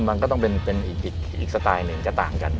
เพราะใช่ก็ต้องเป็นสไตล์หนึ่งจะต่างกัน